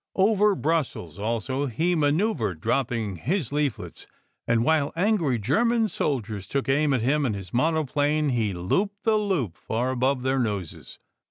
Over Brussels also he manoeuvred, drop ping his leaflets, and while angry German soldiers took aim at him and his monoplane he "looped the loop" far above their noses.